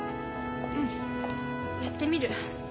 うんやってみる。